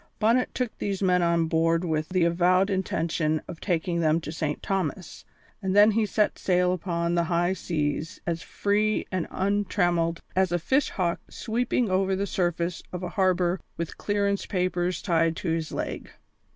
Bonnet took these men on board with the avowed intention of taking them to St. Thomas, and then he set sail upon the high seas as free and untrammelled as a fish hawk sweeping over the surface of a harbour with clearance papers tied to his leg.